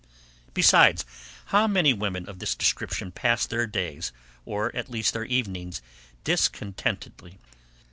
Besides, how many women of this description pass their days, or, at least their evenings, discontentedly.